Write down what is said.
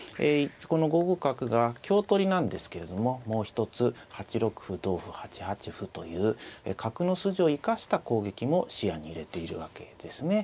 この５五角が香取りなんですけれどももう一つ８六歩同歩８八歩という角の筋を生かした攻撃も視野に入れているわけですね。